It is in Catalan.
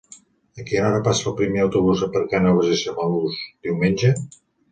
A quina hora passa el primer autobús per Cànoves i Samalús diumenge?